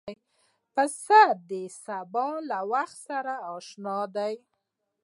پسه د سبا له وخت سره اشنا دی.